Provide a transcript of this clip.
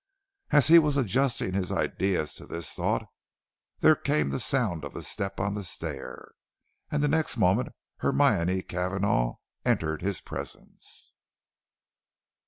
As he was adjusting his ideas to this thought, there came the sound of a step on the stair, and the next moment Hermione Cavanagh entered his presence.